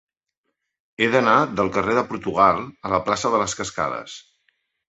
He d'anar del carrer de Portugal a la plaça de les Cascades.